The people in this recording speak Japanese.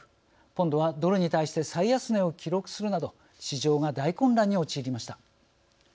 ポンドはドルに対して最安値を記録するなど市場が大混乱に陥りました。